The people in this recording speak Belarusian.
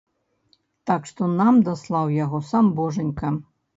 Так што, нам даслаў яго сам божанька.